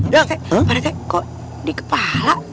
pak rt kok di kepala